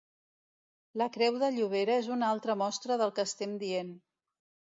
La creu de Llobera és una altra mostra del que estem dient.